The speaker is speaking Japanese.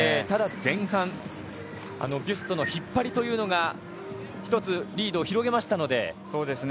ただ前半ビュストの引っ張りが１つ、リードを広げましたので。